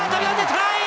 トライ！